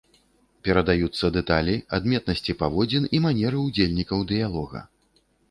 Перадаюцца дэталі, адметнасці паводзін і манеры ўдзельнікаў дыялога.